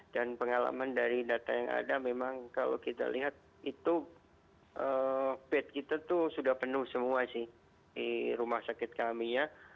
pengalaman dari data yang ada memang kalau kita lihat itu bed kita tuh sudah penuh semua sih di rumah sakit kami ya